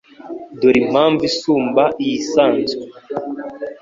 Dore Impamvu isumba iyisanzwe